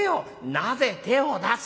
「なぜ手を出す！」。